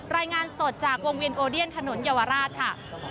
รายงานสดจากวงเวียนโอเดียนถนนเยาวราชค่ะ